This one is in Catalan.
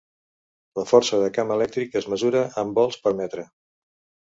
La força de camp elèctric es mesura en volts per metre.